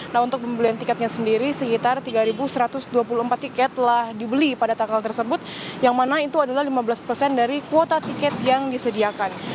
nah untuk pembelian tiketnya sendiri sekitar tiga satu ratus dua puluh empat tiket telah dibeli pada tanggal tersebut yang mana itu adalah lima belas persen dari kuota tiket yang disediakan